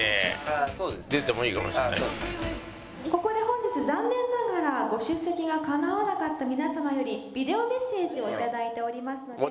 ここで本日残念ながらご出席がかなわなかった皆様よりビデオメッセージをいただいておりますので。